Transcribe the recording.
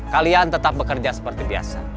kalian tetap bekerja seperti biasa